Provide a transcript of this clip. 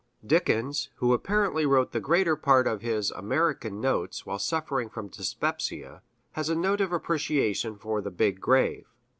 Dickens, who apparently wrote the greater part of his American Notes while suffering from dyspepsia, has a note of appreciation for the Big Grave